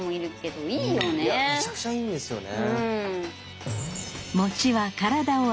めちゃくちゃいいんですよね。